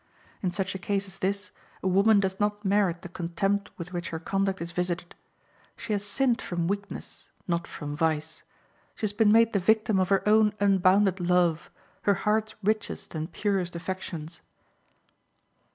In such a case as this, a woman does not merit the contempt with which her conduct is visited. She has sinned from weakness, not from vice; she has been made the victim of her own unbounded love, her heart's richest and purest affections.